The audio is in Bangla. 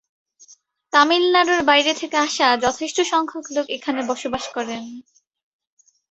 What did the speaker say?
তামিলনাড়ুর বাইরে থেকে আসা যথেষ্ট সংখ্যক লোক এখানে বসবাস করেন।